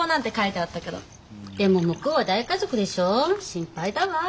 心配だわ。